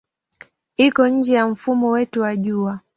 Iko nje ya mfumo wetu wa Jua.